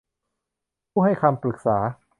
ผู้ให้คำปรึกษา